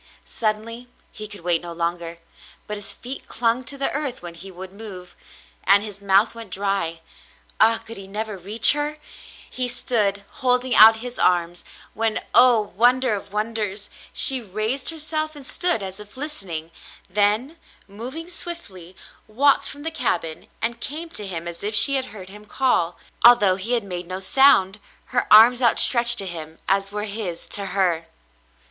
Suddenly he could wait no longer, but his feet clung to the earth when he would move, and his mouth went dry. Ah, could he never reach her ? He stood holding out his arms, when, oh, wonder of wonders ! she raised herself and stood as if listening, then, moving swiftly, walked from the cabin and came to him as if she had heard him call, although he had made no sound — her arms outstretched to him as were his to her.